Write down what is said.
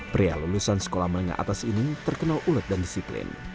pria lulusan sekolah menengah atas ini terkenal ulet dan disiplin